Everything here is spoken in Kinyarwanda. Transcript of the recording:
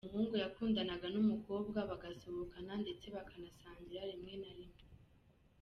Umuhungu yakundanaga n'umukobwa, bagasohokana ndetse bakanasangira rimwe na rimwe.